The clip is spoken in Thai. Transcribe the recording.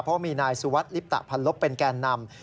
เพราะมีนายสุวัสดิลิปตะพันลบเป็นแก่นำ